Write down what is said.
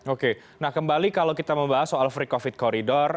oke nah kembali kalau kita membahas soal free covid corridor